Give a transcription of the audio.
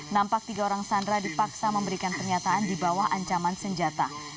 nampak tiga orang sandra dipaksa memberikan pernyataan di bawah ancaman senjata